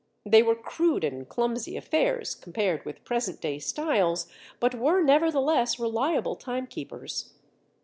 They were crude and clumsy affairs compared with present day styles but were, nevertheless, reliable timekeepers.